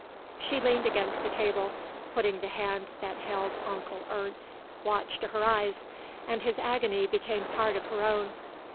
She leaned against the table, putting the hand that held Onkel Ernst's watch to her eyes, and his agony became part of her own.